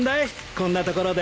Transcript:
こんな所で。